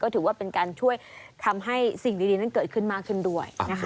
ถือว่าเป็นการช่วยทำให้สิ่งดีนั้นเกิดขึ้นมากขึ้นด้วยนะคะ